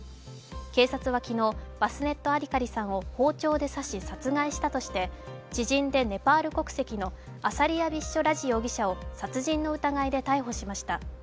警察は昨日、バスネット・アディカリさんを包丁で刺し、殺害したとして、知人でネパール国籍のアサリヤ・ビッショ・ラジ容疑者を殺人の疑いで逮捕しました。